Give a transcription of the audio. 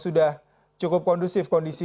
banyak sekali pohon yang tumbang